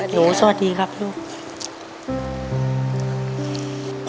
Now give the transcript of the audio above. สวัสดีครับลูก